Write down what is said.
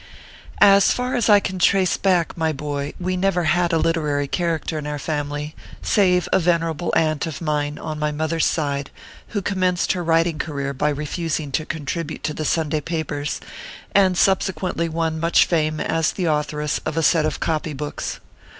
As far I can trace back, my boy, we never had a literary character in our family, save a venerable aunt of mine, on my mother s side, who . commenced her writing career by refusing to contribute to the Sunday papers, and subsequently won much fame as the au thoress of a set of copy books.